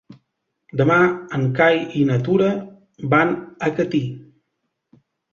Demà en Cai i na Tura van a Catí.